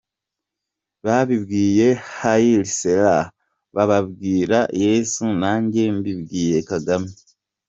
Babibwiye Haile Selassie, babibwira Yesu nanjye mbibwiye Kagame.